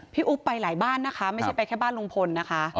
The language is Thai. อุ๊บไปหลายบ้านนะคะไม่ใช่ไปแค่บ้านลุงพลนะคะ